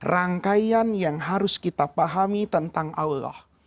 rangkaian yang harus kita pahami tentang allah